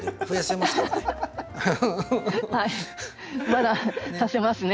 まだ足せますね。